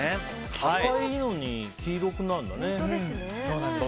紫色なのに黄色くなるんだね。